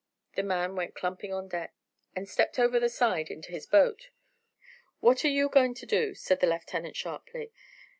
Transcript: The man went clumping on deck, and stepped over the side into his boat. "What are you going to do?" said the lieutenant sharply.